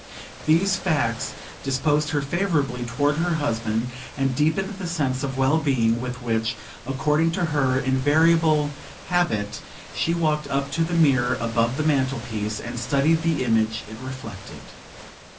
These facts disposed her favourably toward her husband, and deepened the sense of well being with which according to her invariable habit she walked up to the mirror above the mantelpiece and studied the image it reflected.